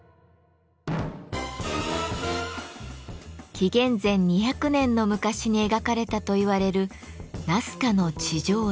紀元前２００年の昔に描かれたといわれる「ナスカの地上絵」。